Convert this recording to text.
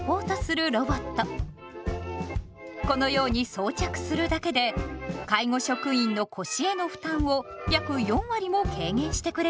このように装着するだけで介護職員の腰への負担を約４割も軽減してくれるそうです。